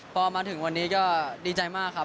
พอมาถึงวันนี้ก็ดีใจมากครับ